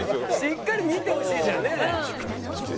しっかり見てほしいじゃんね！